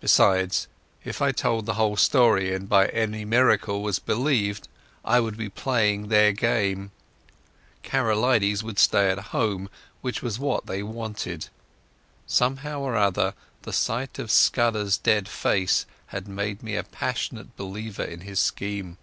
Besides, if I told the whole story, and by any miracle was believed, I would be playing their game. Karolides would stay at home, which was what they wanted. Somehow or other the sight of Scudder's dead face had made me a passionate believer in his scheme.